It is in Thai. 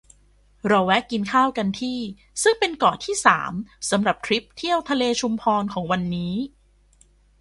เราแวะกินข้าวกันที่ ซึ่งเป็นเกาะที่ สาม สำหรับทริปเที่ยวทะเลชุมพรของวันนี้